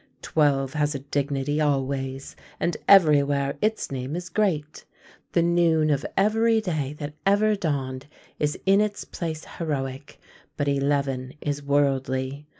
Twelve has a dignity always, and everywhere its name is great. The noon of every day that ever dawned is in its place heroic; but eleven is worldly.